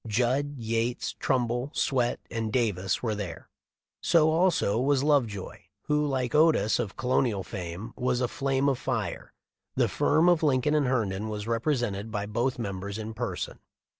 Judd, Yates, Trumbull, Swett, and Davis were there; so also was Love joy, who, like Otis of colonial fame, was a flame of fire. The firm of Lincoln and Herndon was rep resented by both members in person.